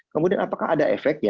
kemudian apakah ada efek